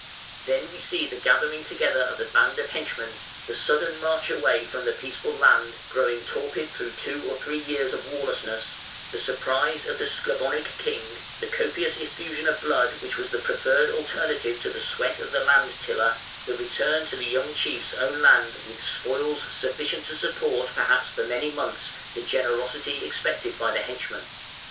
Then we see the gathering together of the band of henchmen, the sudden march away from the peaceful land, growing torpid through two or three years of warlessness, the surprise of the Sclavonic king, the copious effusion of blood which was the preferred alternative to the sweat of the land tiller, the return to the young chief's own land with spoils sufficient to support perhaps for many months the "generosity" expected by the henchmen.